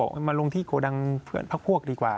ปุ๊บเขาบอกมาลงที่โกดังเพื่อนพักพวกดีกว่า